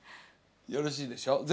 よろしいでしょ